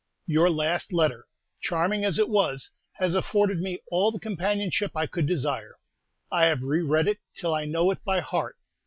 Your last letter, charming as it was, has afforded me all the companionship I could desire. I have re read it till I know it by heart.